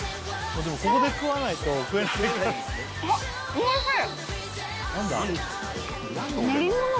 おいしい。